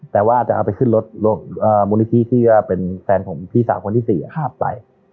แต่ว่าจะเอาไปขึ้นรถรถอ่าบุญพีที่ก็เป็นแฟนผมพี่สาวคนที่สี่อ่ะภาพใจ